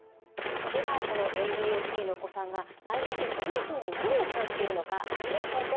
ではこのＡＤＨＤのお子さんが内面でどんなふうに何を感じているのかアニメーションでご覧ください。